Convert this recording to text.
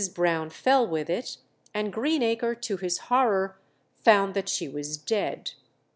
Brown fell with it, and Greenacre, to his horror, found that she was dead.